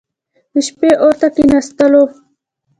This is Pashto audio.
د شپې اور ته کښېنستلو.